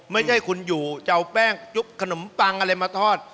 ไม่ใช่คุณอยู่จะเอาแป้งจุ๊บขนมปังอะไรมาทอด